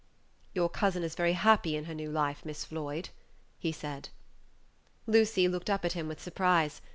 "Your cousin is very happy in her new life, Miss Floyd?" he said. Lucy looked up at him with surprise.